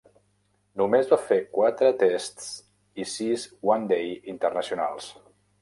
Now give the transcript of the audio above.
Només va fer quatre Tests i sis One Day internacionals.